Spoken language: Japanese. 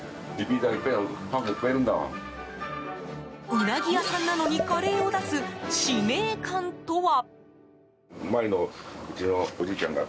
うなぎ屋さんなのにカレーを出す使命感とは？